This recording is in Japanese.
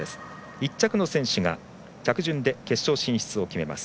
１着の選手が着順で決勝進出を決めます。